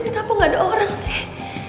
aduh ini kenapa gak ada orang sih